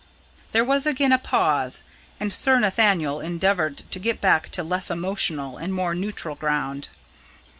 There was again a pause, and Sir Nathaniel endeavoured to get back to less emotional and more neutral ground.